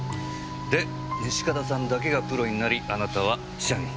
で西片さんだけがプロになりあなたは記者に。